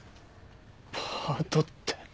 パートって？